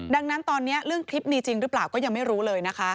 ดังนั้นตอนนี้เรื่องคลิปมีจริงหรือเปล่าก็ยังไม่รู้เลยนะคะ